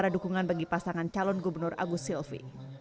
ada dukungan bagi pasangan calon gubernur agus silvi